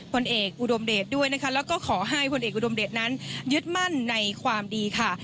ผลเอกอุดมเดชด้วยนะคะแล้วก็ขอให้ผลเอกอุดมเดชนั้นยึดมั่นในความดีค่ะ